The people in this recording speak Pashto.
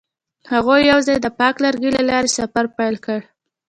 هغوی یوځای د پاک لرګی له لارې سفر پیل کړ.